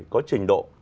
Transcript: có trình độ